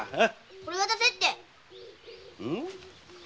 これ渡せって。